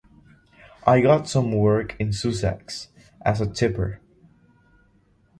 I got some work in Sussex, as a tipper.